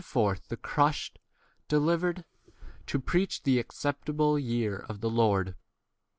19 forth [the] crushed delivered, to preach [the] acceptable year of 20 [the] Lord.?